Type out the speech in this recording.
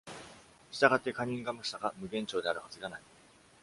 従って、カニンガム鎖が無限長であるはずがない。